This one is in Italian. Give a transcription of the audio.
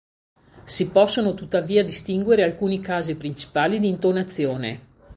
Si possono tuttavia distinguere alcuni casi principali di intonazione.